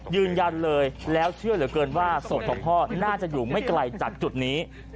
ยืนยันเลยแล้วเชื่อเหลือเกินว่าศพของพ่อน่าจะอยู่ไม่ไกลจากจุดนี้